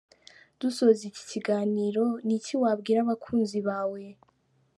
Dusoza iki kiganiro, ni iki wabwira abakunzi bawe?.